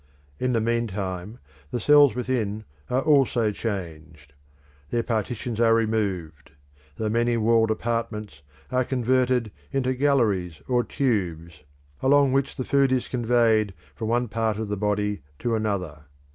In the meantime the cells within are also changed; their partitions are removed; the many walled apartments are converted into galleries or tubes, along which the food is conveyed from one part of the body to another.